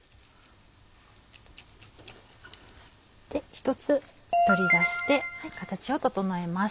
１つ取り出して形を整えます。